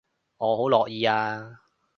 我好樂意啊